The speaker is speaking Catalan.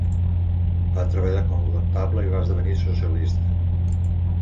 Va treballar com a comptable i va esdevenir socialista.